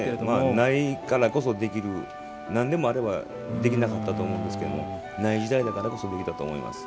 ないからこそできるなんでもあればできなかったと思いますがない時代だからこそできたと思います。